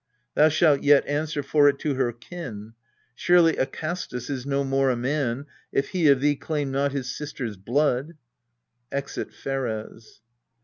Thou shalt yet answer for it to her kin. Surely Akastus is no more a man, If he of thee claim not his sister's blood. [Exit PHERES.